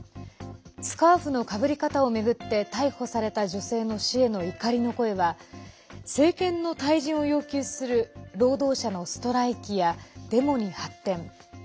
スカーフのかぶり方を巡って逮捕された女性の死への怒りの声は政権の退陣を要求する労働者のストライキやデモに発展。